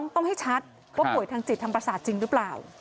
ต้องให้ชัดว่าป่วยทางจิตทางประสาทจริงหรือเปล่า